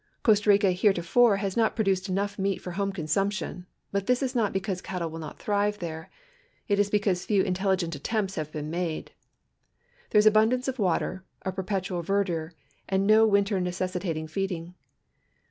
Costa Rica heretofore has not produced enough meat for home consumi)tion, but this i.s not because cattle will not thrive there ; it is because few intelligent attcujpts have been made. There is abundance of water, a jicrpetual verdure, and no winter necessitating feeding.